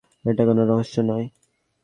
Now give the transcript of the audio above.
এটা কোনো রহস্য নয়।